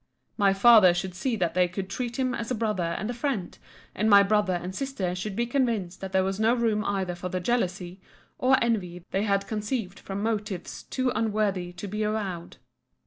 My father should see that they could treat him as a brother and a friend; and my brother and sister should be convinced that there was no room either for the jealousy or envy they had conceived from motives too unworthy to be avowed.